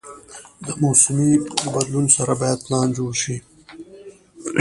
د موسمي بدلونونو سره باید پلان جوړ شي.